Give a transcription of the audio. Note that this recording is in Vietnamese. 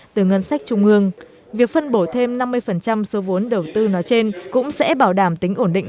từ ngân sách trung ương việc phân bổ thêm năm mươi số vốn đầu tư nói trên cũng sẽ bảo đảm tính ổn định